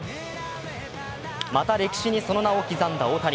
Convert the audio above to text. また、歴史にその名を刻んだ大谷。